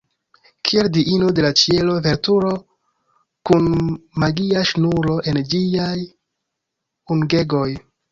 Kiel diino de la ĉielo, vulturo kun magia ŝnuro en ĝiaj ungegoj.